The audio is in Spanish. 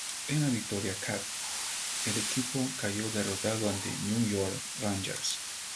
En la "Victoria Cup", el equipo cayó derrotado ante New York Rangers.